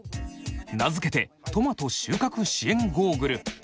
名付けて「トマト収穫支援ゴーグル」。